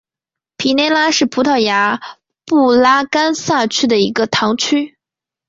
皮内拉是葡萄牙布拉干萨区的一个堂区。